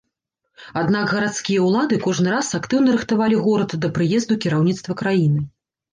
Аднак гарадскія ўлады кожны раз актыўна рыхтавалі горад да прыезду кіраўніцтва краіны.